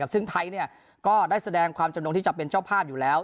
ซึ่งไทยก็ได้แสดงความจำนงที่จะเป็นเจ้าภาพอยู่แล้ว